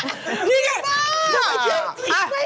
นี่แหละทำไมเธอเขียวว่า